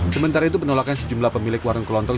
sementara itu penolakan sejumlah pemilik warung kelontong